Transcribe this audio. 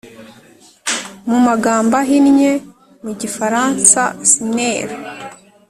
Mu magambo ahinnye mu gifaransa sner